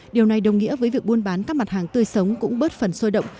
điều này đồng nghĩa với việc buôn bán các mặt hàng tươi sống cũng bớt phần sôi động